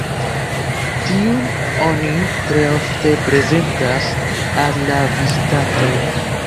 Tiun oni tre ofte prezentas al la vizitantoj.